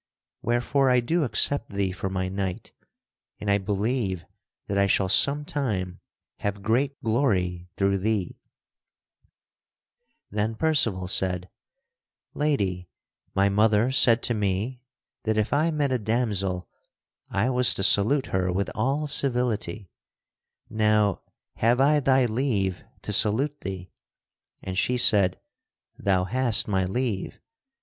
Wherefore I do accept thee for my knight, and I believe that I shall some time have great glory through thee." [Sidenote: Percival salutes the damsel of the golden pavilion] Then Percival said: "Lady, my mother said to me that if I met a damosel I was to salute her with all civility. Now have I thy leave to salute thee?" And she said, "Thou hast my leave."